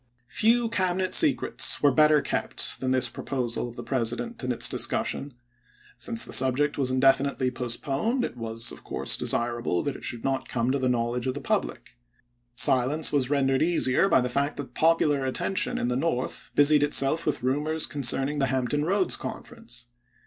Few Cabinet secrets were better kept than this proposal of the President and its discussion. Since the subject was indefinitely postponed, it was, of course, desirable that it should not come to the knowledge of the public. Silence was rendered easier by the fact that popular attention in the North busied itself with rumors concerning the Hampton Roads Conference.